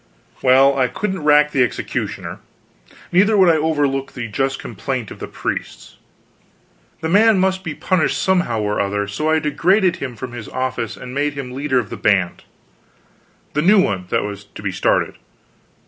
Well, I couldn't rack the executioner, neither would I overlook the just complaint of the priests. The man must be punished somehow or other, so I degraded him from his office and made him leader of the band the new one that was to be started.